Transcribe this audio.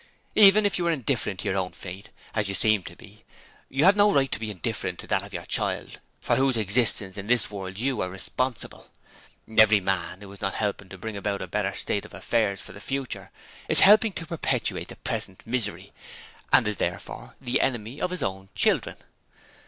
Even if you are indifferent to your own fate as you seem to be you have no right to be indifferent to that of the child for whose existence in this world you are responsible. Every man who is not helping to bring about a better state of affairs for the future is helping to perpetuate the present misery, and is therefore the enemy of his own children.